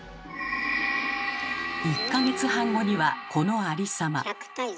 １か月半後にはこのありさま。